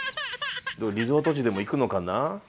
リゾート地でも行くのかな？